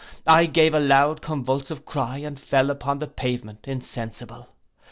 I gave a loud convulsive outcry, and fell upon the pavement insensible.